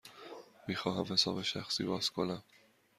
می خواهم حساب شخصی باز کنم.